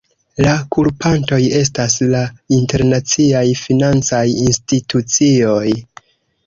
La kulpantoj estas la internaciaj financaj institucioj.